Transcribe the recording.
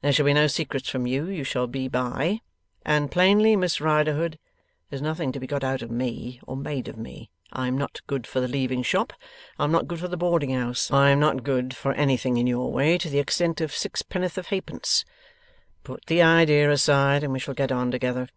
There shall be no secrets from you; you shall be by. And plainly, Miss Riderhood, there's nothing to be got out of me, or made of me. I am not good for the Leaving Shop, I am not good for the Boarding House, I am not good for anything in your way to the extent of sixpenn'orth of halfpence. Put the idea aside, and we shall get on together.